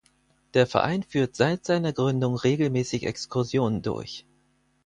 Der Verein führt seit seiner Gründung regelmässig Exkursionen durch.